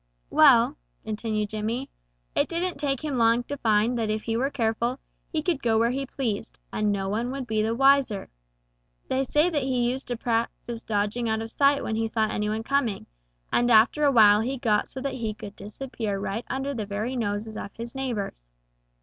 "Well," continued Jimmy, "it didn't take him long to find that if he were careful, he could go where he pleased, and no one would be the wiser. They say that he used to practise dodging out of sight when he saw any one coming, and after a while he got so that he could disappear right under the very noses of his neighbors.